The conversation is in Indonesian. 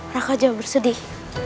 raka jangan bersedih